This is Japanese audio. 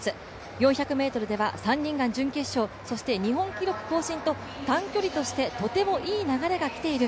４００ｍでは３人が準決勝、そして日本記録更新と短距離としてとてもいい流れが来ている。